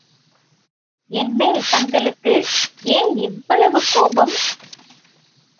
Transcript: என்மேல் தங்களுக்கு ஏன் இவ்வளவு கோபம்?